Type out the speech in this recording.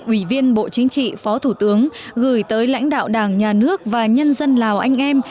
ủy viên bộ chính trị phó thủ tướng gửi tới lãnh đạo đảng nhà nước và nhân dân lào anh em